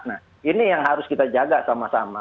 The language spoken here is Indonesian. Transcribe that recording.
nah ini yang harus kita jaga sama sama